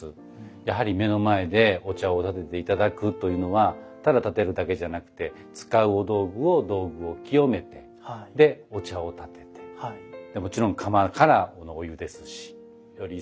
やはり目の前でお茶を点てていただくというのはただ点てるだけじゃなくて使うお道具を清めてでお茶を点ててもちろん釜からのお湯ですしより一層おいしいと思います。